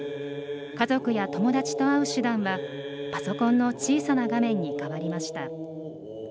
家族や友達と会う手段はパソコンの小さな画面に変わりました。